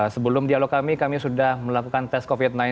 sebelum dialog kami kami sudah melakukan tes covid sembilan belas